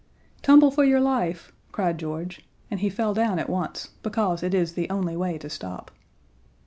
"Tumble for your life!" cried George, and he fell down at once, because it is the only way to stop.